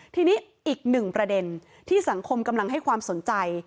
ทีนี้อีกหนึ่งประเด็นที่สังคมกำลังให้ความสนใจ